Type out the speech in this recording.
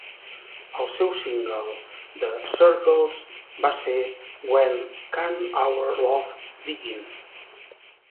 El seu single de "Circles" va ser "When Can Our Love Begin".